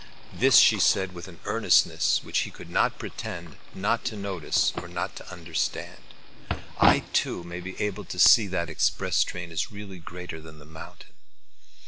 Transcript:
This she said with an earnestness which he could not pretend not to notice or not to understand. "I too may be able to see that the express train is really greater than the mountain."